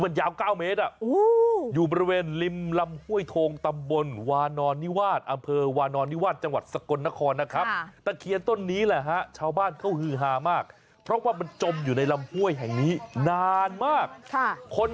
โอ้เหมือนนะค่ะเหมือนจราเข้เลย